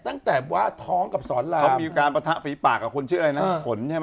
ตั้งแต่ว่าท้องกับสอนเราเขามีการปะทะฝีปากกับคนชื่ออะไรนะฝนใช่ไหม